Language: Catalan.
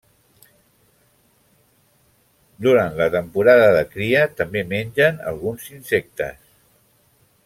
Durant la temporada de cria també mengen alguns insectes.